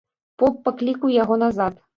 Поп паклікаў яго назад.